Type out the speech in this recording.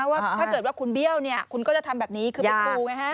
ว่าถ้าเกิดว่าคุณเบี้ยวคุณก็จะทำแบบนี้คือเป็นครูไงฮะ